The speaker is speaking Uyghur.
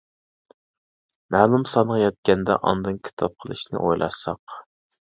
مەلۇم سانغا يەتكەندە ئاندىن كىتاب قىلىشنى ئويلاشساق.